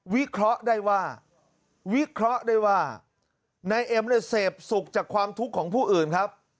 วิเคราะห์ได้ว่าวิเคราะห์ได้ว่านายเอ็มเนี่ยเสพสุขจากความทุกข์ของผู้อื่นครับ